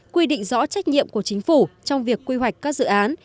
quy định rõ trách nhiệm của chính phủ trong việc quy hoạch các dự án